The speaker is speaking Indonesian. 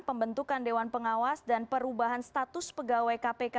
pembentukan dewan pengawas dan perubahan status pegawai kpk